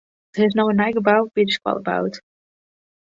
Der is no in nij gebou by de skoalle boud.